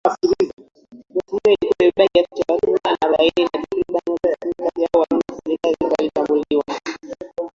Boti hiyo ilikuwa imebeba kiasi cha watu mia na arobaini na takribani watu tisini kati yao walionusurika walitambuliwa